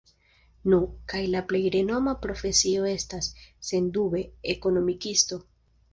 Nu, kaj la plej renoma profesio estas, sendube, Ekonomikisto.